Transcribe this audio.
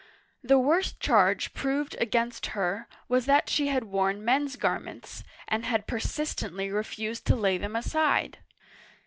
The worst charge proved against her was that she had worn men's garments, and had persistently refused to lay them aside